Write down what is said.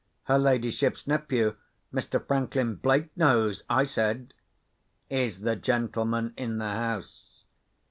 "Her ladyship's nephew, Mr. Franklin Blake, knows," I said. "Is the gentleman in the house?"